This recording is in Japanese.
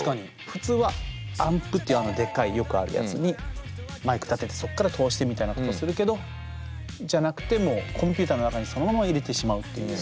普通はアンプっていうあのでっかいよくあるやつにマイク立ててそっから通してみたいなことするけどじゃなくてもうコンピューターの中にそのまま入れてしまうっていう。